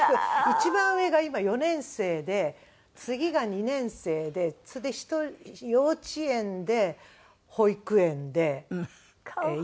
一番上が今４年生で次が２年生でそれで幼稚園で保育園で１年生。